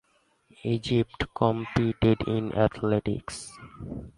Egypt competed in athletics.